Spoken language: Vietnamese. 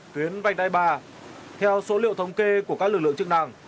tuyến vành đai ba theo số liệu thống kê của các lực lượng chức năng